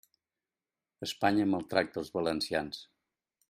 Espanya maltracta els valencians.